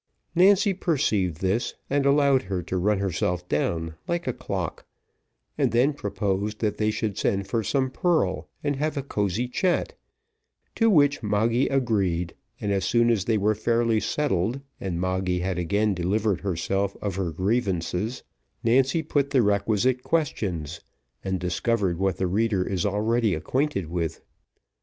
Nancy perceived this, and allowed her to run herself down like a clock; and then proposed that they should send for some purl and have a cosy chat, to which Moggy agreed, and as soon as they were fairly settled, and Moggy had again delivered herself of her grievances, Nancy put the requisite questions, and discovered what the reader is already acquainted with.